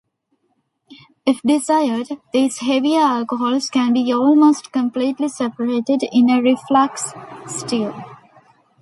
If desired, these heavier alcohols can be almost completely separated in a reflux still.